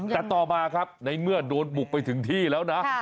แต่ต่อมาครับในเมื่อโดนบุกไปถึงที่แล้วนะ